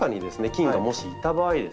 菌がもしいた場合ですね